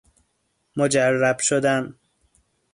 مجرب شدن